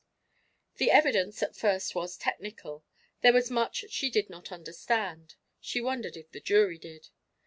The evidence at first was technical. There was much she did not understand she wondered if the jury did.